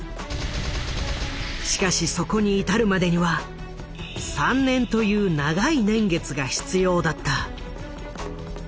しかしそこに至るまでには３年という長い年月が必要だった。